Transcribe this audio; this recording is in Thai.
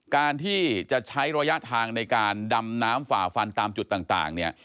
การที่จะใช้ระยะทางในการดำน้ำฝ่าฟันตามจุดต่างเนี่ย